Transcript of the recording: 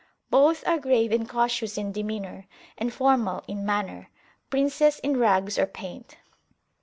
Both are grave and cautious in demeanour, and formal in manner, princes in rags or paint.